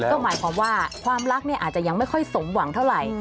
ก็หมายความว่าความรักเนี่ยอาจจะยังไม่ค่อยสมหวังเท่าไหร่